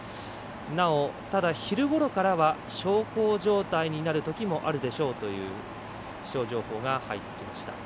なお、ただ昼ごろからは小康状態になるときもあるでしょうという気象情報が入ってきました。